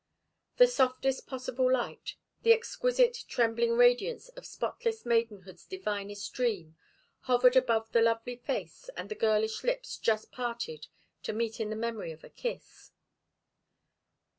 The softest possible light, the exquisite, trembling radiance of spotless maidenhood's divinest dream, hovered about the lovely face and the girlish lips just parted to meet in the memory of a kiss.